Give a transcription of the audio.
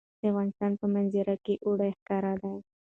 د افغانستان په منظره کې اوړي ښکاره ده.